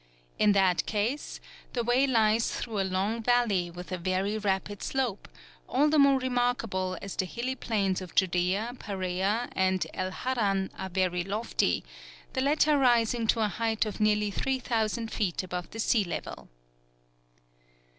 In that case the way lies through a long valley with a very rapid slope, all the more remarkable as the hilly plains of Judea, Peræ, and El Harran are very lofty, the latter rising to a height of nearly 3000 feet above the sea level.